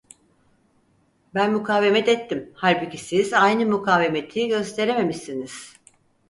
Ben mukavemet ettim, halbuki siz aynı mukavemeti gösterememişsiniz.